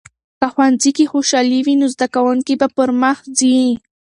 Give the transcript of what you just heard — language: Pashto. که ښوونځي کې خوشالي وي، نو زده کوونکي به پرمخ ځي.